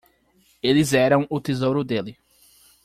Eles eram o tesouro dele.